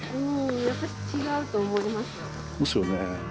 やっぱし違うと思います。ですよね。